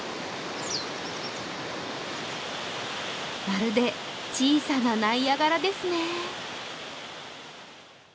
まるで小さなナイアガラですね